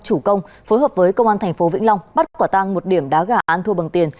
chủ công phối hợp với công an thành phố vĩnh long bắt quả tang một điểm đá gà ăn thua bằng tiền